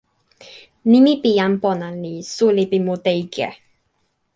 nimi pi jan pona li suli pi mute ike.